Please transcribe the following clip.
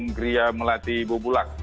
di perumgeria kita melatih bubulak